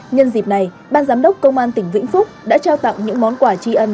nhân dịp này ban giám đốc công an tỉnh vĩnh phúc đã trao tặng những món quà tri ân